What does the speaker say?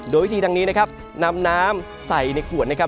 โดยวิธีดังนี้นะครับนำน้ำใส่ในขวดนะครับ